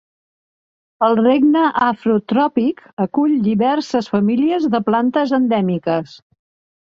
El regne Afrotròpic acull diverses famílies de plantes endèmiques.